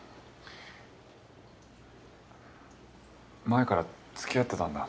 前から付き合ってたんだ。